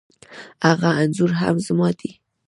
هغه انخورهم زما دی